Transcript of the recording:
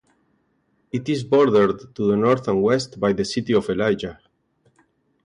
It is bordered to the north and west by the city of Ellijay.